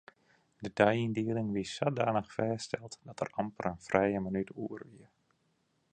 De deiyndieling wie sadanich fêststeld dat der amper in frije minút oer wie.